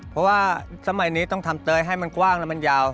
เพราะว่าสมัยนี้ต้องทำเตยให้มันกว้างแล้วมันยาว